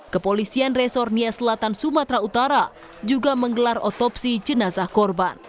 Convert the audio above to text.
kepolisian resor nia selatan sumatera utara juga menggelar otopsi jenazah korban